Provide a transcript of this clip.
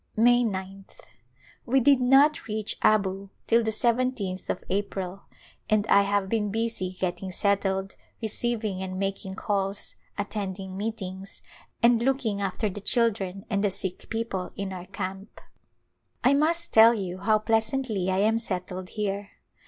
May gth. We did not reach Abu till the 17th of April and I have been busy getting settled, receiving and making calls, attending meetings and looking after the children and the sick people in our camp. A Glimpse of India I must tell you how pleasantly I am settled here.